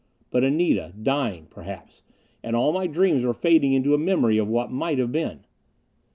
But Anita dying, perhaps; and all my dreams were fading into a memory of what might have been.